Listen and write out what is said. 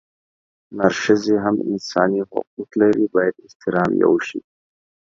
نرښځي هم انساني حقونه لري بايد احترام يې اوشي